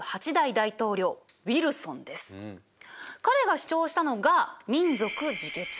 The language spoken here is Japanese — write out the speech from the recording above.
彼が主張したのが民族自決。